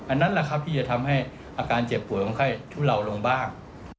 อันนั้นแหละที่จะทำให้อาการเจ็บป่วยของไข้ทุล่าวลงบ้าง